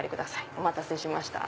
お待たせしました。